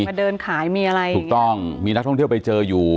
ถูกต้องมีนักท่องเที่ยวไปเจออยู่